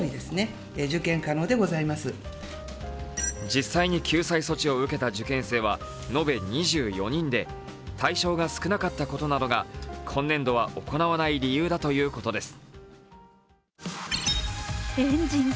実際に救済措置を受けた受験生は延べ２４人で対象が少なかったことなどが今年度は行わない理由だということです。